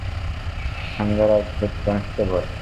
Thangaraj, head constable.